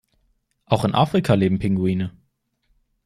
Auch in Afrika leben Pinguine.